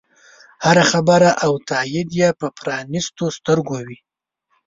هره خبره او تایید یې په پرانیستو سترګو وي.